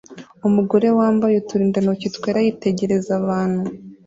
Umugore wambaye uturindantoki twera yitegereza abantu